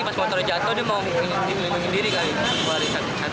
pas motornya jatuh dia mau dilindungi diri kali